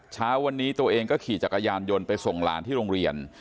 เช้าวันนี้ตัวเองก็ขี่จักรยานยนต์ไปส่งหลานที่โรงเรียน